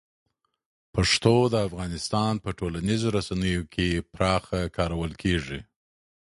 پښتو د افغانستان په ټولنیزو رسنیو کې پراخه کارول کېږي.